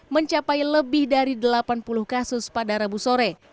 mencapai lebih dari delapan puluh kasus pada rabu sore